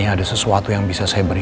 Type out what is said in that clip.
jika ada sesuatu yang saya bisa beri